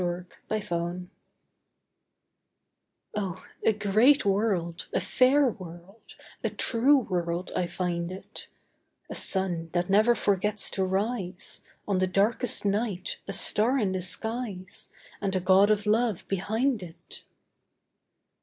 A LITTLE SONG Oh, a great world, a fair world, a true world I find it; A sun that never forgets to rise, On the darkest night, a star in the skies, And a God of love behind it.